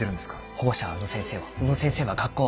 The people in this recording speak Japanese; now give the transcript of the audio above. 保護者は宇野先生を宇野先生は学校を。